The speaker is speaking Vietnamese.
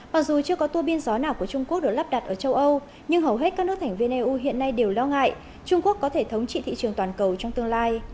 mặc dù chưa có tua biên gió nào của trung quốc được lắp đặt ở châu âu nhưng hầu hết các nước thành viên eu hiện nay đều lo ngại trung quốc có thể thống trị thị trường toàn cầu trong tương lai